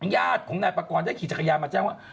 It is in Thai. ญาติของนายปากรได้ขี่จักรยานมาแจ้งว่า